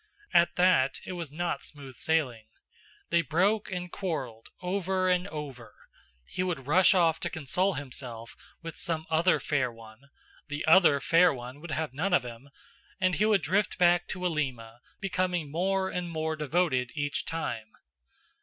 At that, it was not smooth sailing. They broke and quarreled, over and over; he would rush off to console himself with some other fair one the other fair one would have none of him and he would drift back to Alima, becoming more and more devoted each time.